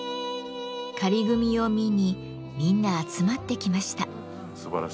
仮組みを見にみんな集まってきました。